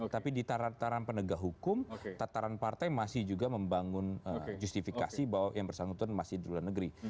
tapi di taran taran penegak hukum tataran partai masih juga membangun justifikasi bahwa yang bersangkutan masih di luar negeri